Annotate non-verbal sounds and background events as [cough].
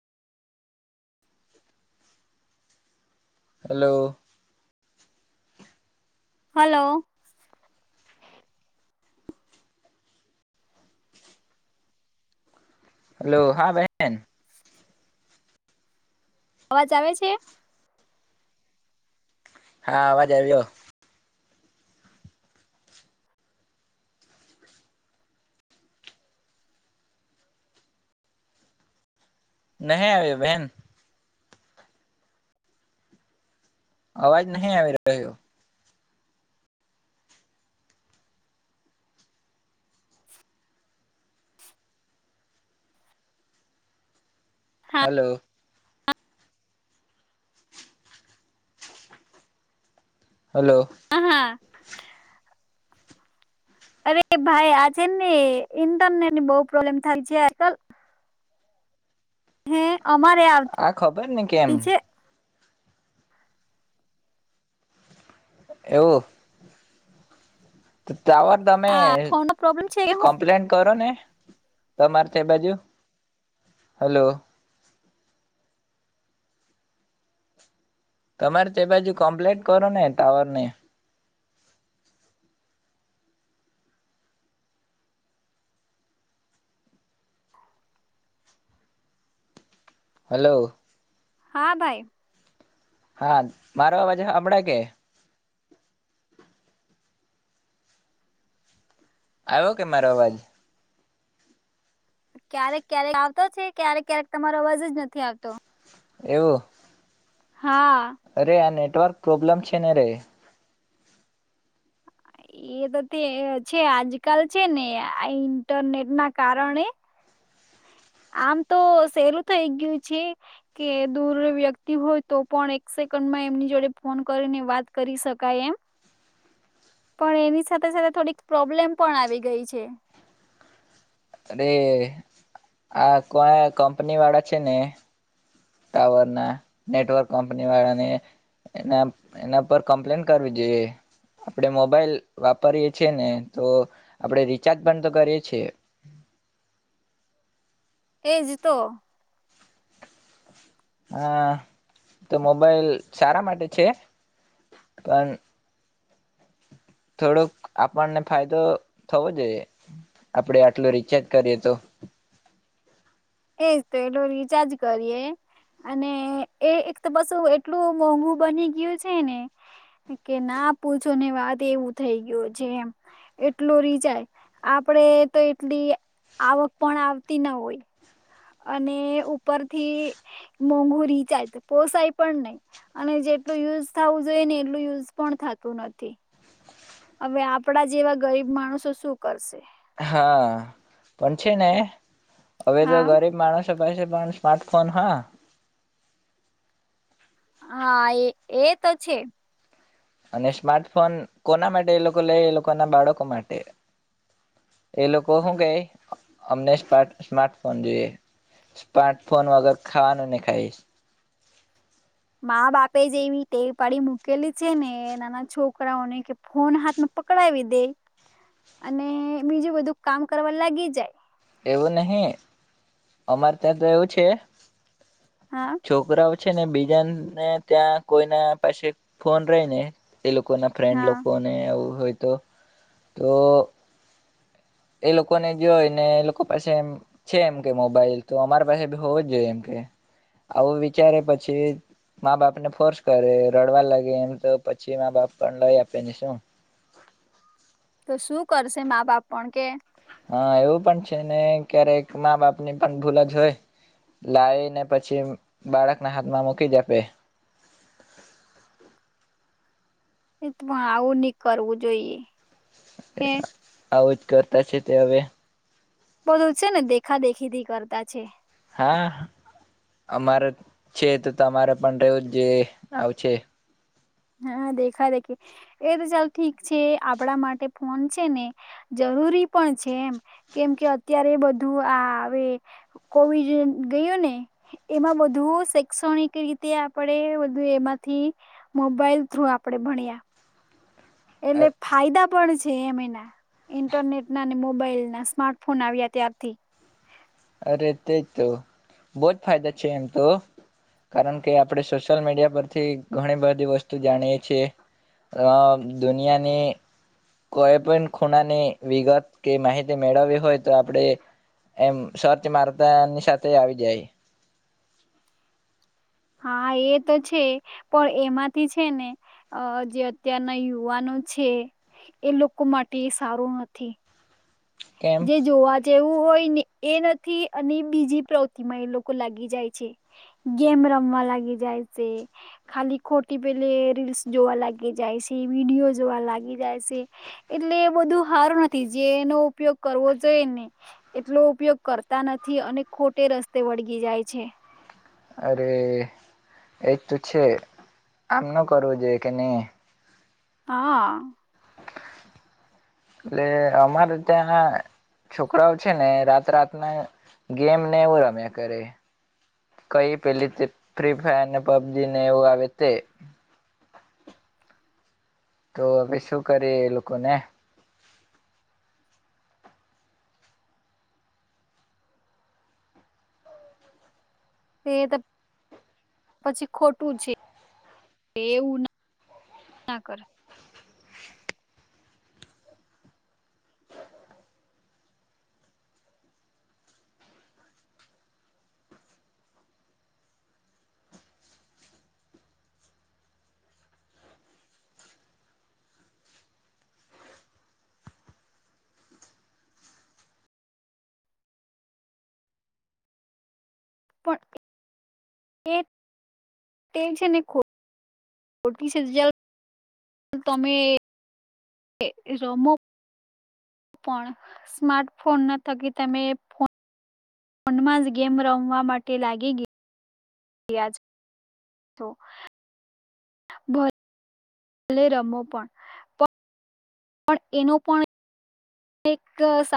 Hello. Hello. Hello હા બેહેન. અવાજ આવે છે? હા અવાજ આવ્યો. નહીં આવ્યો બહેન. અવાજ નહી આવી રહ્યો. હા હલો. હલો. હા, હા. અરે ભાઈ આજે ને ઇન્ટરનેટની બહું પ્રોબ્લેમ થાય છે આજ કલ. હ. અમારે આ ખબર ને કેમ આવતી છે. એવું તો. તાવર તમે આ ફોન નો પ્રોબ્લેમ છે કે હું કમ્પ્લેન કરો ને તમારે છે બાજુ હલો તમારે તે બાજુ કમ્પ્લીટ કરો ને ટાવર ને હલો. હા ભાઈ હા બારવા વાજે આપણા કે આવ્યો કે મારો અવાજ ક્યારેક ક્યારેક આવતો છે ક્યારેક ક્યારેક તમારો અવાજ જ નથી આવતો. એવું. હા. અરે આ નેટવર્ક પ્રોબ્લેમ છે ને રે એ તો તે છે આજકાલ છે ને આ ઇન્ટરનેટ ના કારણે આમ તો સહેલું થઇ ગયું છે કે દૂર વ્યક્તિ હોય તો પણ એક સેકન્ડમાં એમની જોડે ફોન કરીને વાત કરી શકાય એમ પણ એની સાથે સાથે થોડીક પ્રોબ્લેમ પણ આવી ગઈ છે. અરે આ કોયા કંપની વાળા છે ને ટાવરના નેટવર્ક કંપની વાળાને એના એના પર કમ્પ્લેન કરવી જોઈએ આપણે મોબાઈલ વાપરીએ છેએ ને તો આપણેે રિચાર્જ પણ તો કરીએ છે. એ જ તો હા તો મોબાઈલ સારા માટે છે પણ થોડોક આપણને ફાયદો થવો જોઈએ આપડે આટલું રિચાર્જ કરીએ તો એજ તો એટલો રિચાર્જ કરીએ અને એ એક તો પસું એટલું મોંઘું બની ગયું છે ને કે ના પૂછો ને વાત એવું થઈ ગયું છેમ એટલો રિચાર્જ આપડે તો એટલી આવક પણ આવતી ના હોય અને ઉપરથી મોંઘુ રીચાર્જ પોસાય પણ નહી અને જેટલું યુઝ થવું જોઈએ ને એટલું યુઝ પણ થતું નથી. હવે આપડા જેવા ગરીબ માણસો શું કરશે? હા પણ છે ને હવે તો હા ગરીબ માણસ પ [unintelligible] સ્માર્ટફોન હા હા એ એ તો છે. અને સ્માર્ટફોન કોના માટે એ લોકો લે એ લોકો ના બાળકો માટે એ લોકો શું કહે અમને સ્માર્ટફોન જોઈએ સ્માર્ટફોન વગર ખાવાનું નને ખાઈશ. મા બાપે જે એવી ટેવ પાડી મૂકેલી છે ને નાના છોકરાઓને ફોન હાથમાં પકડાવી દે અને બીજું બધું કામ કરવા લાગી જાય. એવું નહિ અમારે ત્યાં તો એવું છે. હા છોકરાઓ છે ને બીજા ને ત્યાં કોઈના પાસે ફોન રહી ને એ લોકો ના ફ્રેન્ડ હા લોકો ને એવું હોય. તો તો એ લોકોને જોઈ ને એ લોકો પાસે એમ છે એમ કે મોબાઈલ તો અમારા પાસે હોવો જ જોઈએ એમ કે આવું વિચારે પછી મા બાપને ફોર્સ કરે રડવા લાગે એમ તો પછી મા બાપ પણ લઈ આપે ને શું તો શું કરશે મા બાપ પણ કે હા એવું પણ છે ને ક્યારેક મા બાપ ની પણ ભૂલ જ હોય લાવી ને પછી બાળકના હાથમાં મૂકી જ આપે એ તો પણ આવું નહી કરવું જોઈએ. ઓ કે. આવું જ કરતા છે તે હવે બધું છે ને દેખા દેખી થી કરતા છે. હા, અમારે છે તો તમારે પણ રહેવું જ જે આવ છે. હા દેખા-દેખી, એ તો ચાલ ઠીક છે. આપણા માટે ફોન છે ને જરૂરી પણ છે એમ, કેમ કે અત્યારે બધું આ આવે કોવિજન ગયું ને એમાં બધું શૈક્ષણિક રીતે આપણે બધું એમાંથી મોબાઈલ થ્રુ આપણે ભણ્યા. એટલે ફાયદા પણ છે એમ એના. ઇન્ટરનેટ ના ને મોબાઈલ ના સ્માર્ટફોન આવ્યા ત્યારથી. અરે તે જ તો, બહુ જ ફાયદા છે એમ તો, કારણ કે આપણે સોશિયલ મીડિયા પરથી ઘણી બધી વસ્તુ જાણીએ છીએ. અહ દુનિયાની કોઈ પણ ખૂણાની વિગત કે માહિતી મેળવવી હોય તો આપણે એમ સર્ચ મારતાની સાથે આવી જાય. હા એ તો છે, પણ એમાંથી છે ને અહ જે અત્યારના યુવાનો છે એ લોકો માટે એ સારું નથી. કેમ જે જોવા જેવું વું હોય ને એ નથી, અને બીજી પ્રવૃતિ માં એ લોકો લાગી જાય છે. ગેમ રમવા લાગી જાય છે, ખાલી ખોટી પેલી રીલ્સ જોવા લાગી જાય છે, વિડીયો જોવા લાગી જાય સે, એટલે એ બધું હારું નથી જે એનો ઉપયોગ કરવો જોઈએ ને એટલો ઉપયોગ કરતા નથી, અને ખોટે રસ્તે વળગી જાય છે. અરે એજ તો છે. આમ ન કરવું જોઈએ કે નહી હા એટલે અમારે ત્યાં છોકરાઓ છે ને રાત રાત ના ગેમને એવું રમે્યા કરે કઈ પેલી ફ્રી ફાયર ને પબજી ને એવું આવે તે તો અવે શું કરીએ એ લોકોને એ પછી ખોટું છે એવું ના કરે [inaudible] તે તેટે છે ને ખુશ સ તમે રમો. પણ સ્માર્ટફોન ન થકી તમે ફોનમાં જ ગેમ રમવા માટે લાગી ગયા જ તો ભલે ભલે રમો પણ પણ પણ એનું પણ એક